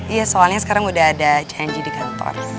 iya soalnya sekarang udah ada janji di kantor